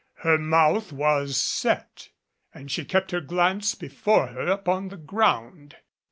Her mouth was set and she kept her glance before her upon the ground.